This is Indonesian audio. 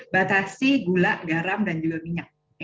batasi gula garam dan juga minyak